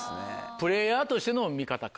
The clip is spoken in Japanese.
プレーヤーとしての見方か。